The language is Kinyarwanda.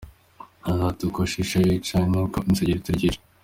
Yagize ati “Uko shisha yica niko n’isegereti ryica.